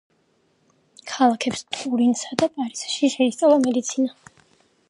ქალაქებს ტურინსა და პარიზში შეისწავლა მედიცინა.